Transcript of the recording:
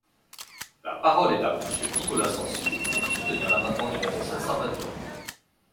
La parole est à Monsieur Nicolas Sansu, pour soutenir l’amendement numéro cinq cent vingt-deux.